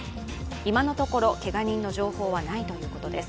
今のところ、けが人の情報はないということです。